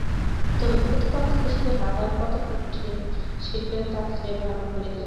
তবে প্রতিপক্ষ হিসেবে নাদাল কতটা কঠিন, সেটিও তাঁর চেয়ে ভালো করেই জানা।